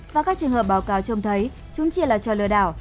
và các trường hợp báo cáo trông thấy chúng chỉ là trò lừa đảo